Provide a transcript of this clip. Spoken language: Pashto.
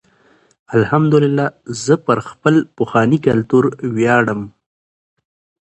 الحمدالله زه پر خپل پښنې کلتور ویاړم.